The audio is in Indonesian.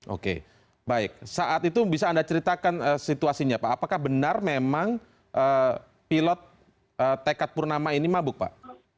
oke baik saat itu bisa anda ceritakan situasinya pak apakah benar memang pilot tekad purnama ini mabuk pak